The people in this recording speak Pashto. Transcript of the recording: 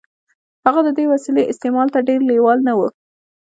هغه د دې وسیلې استعمال ته ډېر لېوال نه و